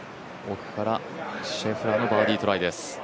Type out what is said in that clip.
シェフラーのバーディートライです。